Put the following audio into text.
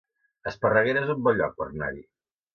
Esparreguera es un bon lloc per anar-hi